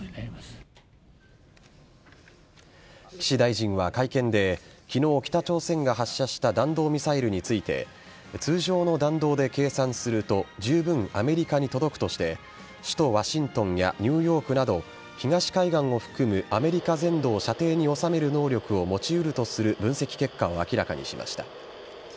岸大臣は会見で昨日、北朝鮮が発射した弾道ミサイルについて通常の弾道で計算するとじゅうぶんアメリカに届くとして首都・ワシントンやニューヨークなど東海岸を含むアメリカ全土を射程に収める能力を持ちうるとする分析結果を明らかにしました。